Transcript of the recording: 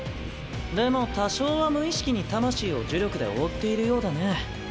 でも多少は無意識に魂を呪力で覆っているようだね。